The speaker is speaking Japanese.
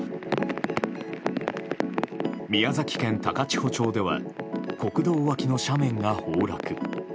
宮崎県高千穂町では国道脇の斜面が崩落。